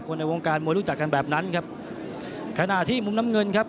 ในวงการมวยรู้จักกันแบบนั้นครับขณะที่มุมน้ำเงินครับ